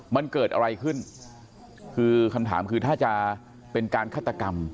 มันเกิดอะไรขึ้นคือคำถามคือถ้าจะเป็นการฆาตกรรม